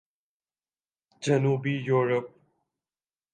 جنوبی یورپ